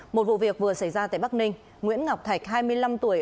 một vụ việc vừa xảy ra tại bắc ninh nguyễn ngọc thạch hai mươi năm tuổi